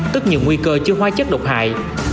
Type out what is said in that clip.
tức nhiều nguy cơ chứa hóa chất độc hại